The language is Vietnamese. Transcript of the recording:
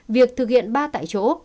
việc thực hiện ba tại chỗ